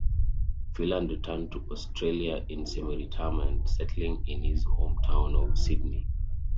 Filan returned to Australia in semi-retirement, resettling in his home town of Sydney.